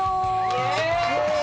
イエイ！